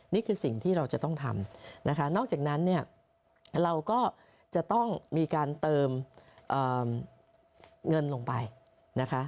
นี่คือสิ่งที่เราจะต้องทำนะคะนอกจากนั้นเนี่ยเราก็จะต้องมีการเติมเงินลงไปนะคะ